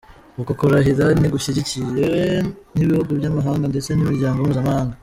Uku kurahira ntigushyigikiwe n’ibihugu by’amahanga ndetse n’imiryango mpuzamahanga.